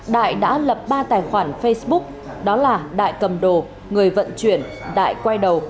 đại đã lập ba tài khoản facebook đó là đại cầm đồ người vận chuyển đại quay đầu